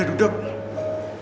ya sudah pak